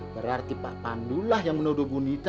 berarti pak pandu lah yang menuduh bu nita